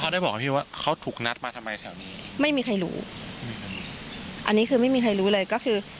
ไม่มีใครรู้อันนี้คือไม่มีใครรู้เลยก็คือ